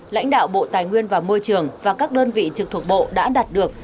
lãnh đạo bộ tài nguyên và môi trường và các đơn vị trực thuộc bộ đã đạt được